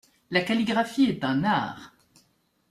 La calligraphie est un art !